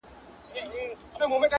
په دار دي کړم مګر خاموش دي نکړم,